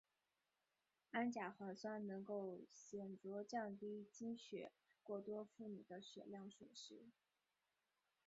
氨甲环酸能够显着降低经血过多妇女的血量损失。